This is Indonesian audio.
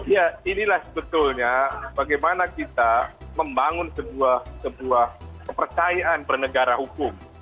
ya inilah sebetulnya bagaimana kita membangun sebuah kepercayaan bernegara hukum